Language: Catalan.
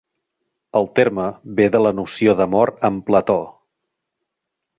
El terme ve de la noció d'amor en Plató.